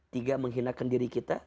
tiga menghinakan diri kita